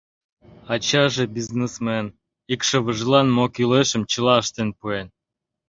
Ачаже бизнесмен, икшывыжлан мо кӱлешым чыла ыштен пуэн.